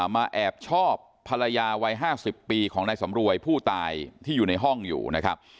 มาแอบชอบภรรยาวัย๕๐ปีของนายสำรวยผู้ตายที่อยู่ในห้องอยู่นะครับ